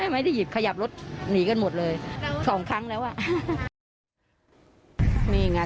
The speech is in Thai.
ไม่ได้หยิบขยับรถหนีกันหมดเลยสองครั้งแล้วอ่ะนี่ไง